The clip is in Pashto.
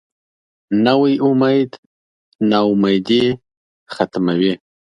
نوی امید نا امیدي ختموي